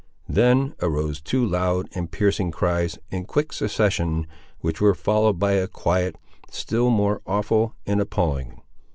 Then arose two loud and piercing cries, in quick succession, which were followed by a quiet, still more awful and appalling.